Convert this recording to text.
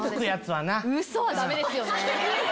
ウソはダメですよね。